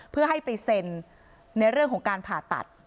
เพื่อให้ไปเซ็นในเรื่องของการผ่าตัด